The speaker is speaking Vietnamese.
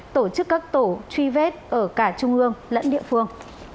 tổ chức các tổ truy vết ở cả trung ương lẫn địa phương